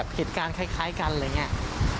ที่มายพี่เหมือนกัน